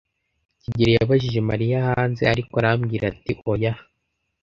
kigeli yabajije Mariya hanze, ariko arambwira ati oya.